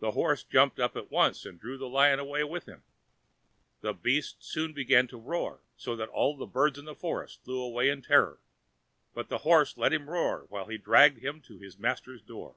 The horse jumped up at once and drew the lion away with him. The beast soon began to roar, so that all the birds in the forest flew away in terror, but the horse let him roar while he quietly dragged him to his master's door.